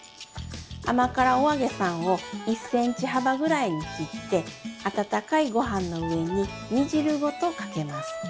甘辛お揚げさんを１センチ幅ぐらいに切って温かいごはんの上に煮汁ごとかけます。